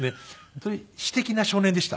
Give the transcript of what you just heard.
本当に詩的な少年でした。